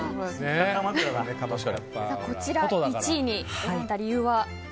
こちら、１位に選んだ理由は？